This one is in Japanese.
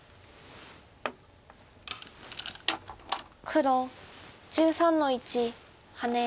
黒１３の一ハネ。